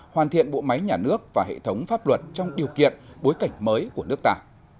hoàn thiện bộ máy nhà nước và hệ thống pháp luật trong điều kiện bối cảnh mới của nước ta